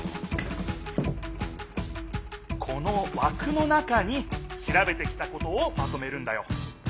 このわくの中にしらべてきたことをまとめるんだよ。